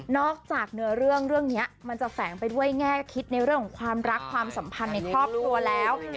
จากเนื้อเรื่องเรื่องนี้มันจะแฝงไปด้วยแง่คิดในเรื่องของความรักความสัมพันธ์ในครอบครัวแล้ว